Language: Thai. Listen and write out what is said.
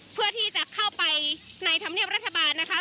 เพื่อที่จะเข้าไปในธรรมเนียบรัฐบาลนะคะ